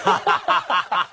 ハハハハハ！